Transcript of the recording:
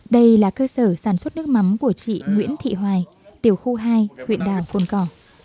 đây là cơ sở sản xuất nước mắm của chị nguyễn thị hoài tiểu khu hai huyện đảo cồn cỏ